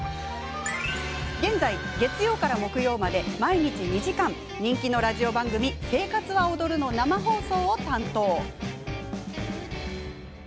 現在、月曜から木曜まで毎日２時間人気のラジオ番組「生活は踊る」の生放送を担当。